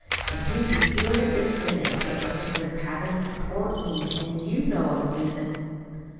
And he'd be doing it this minute if it wasn't for his having to support me, and you know it, Susan."